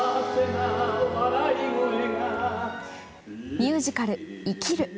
ミュージカル「生きる」。